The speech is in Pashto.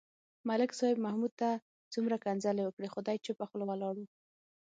ملک صاحب محمود ته څومره کنځلې وکړې. خو دی چوپه خوله ولاړ و.